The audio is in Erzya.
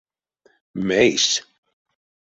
Мейс?